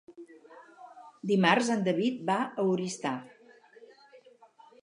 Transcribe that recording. Dimarts en David va a Oristà.